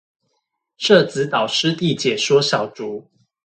社子島濕地解說小築